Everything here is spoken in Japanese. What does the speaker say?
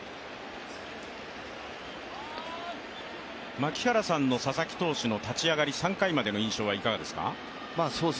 槙原さんの佐々木投手の立ち上がり、３回までの印象はいかがですか？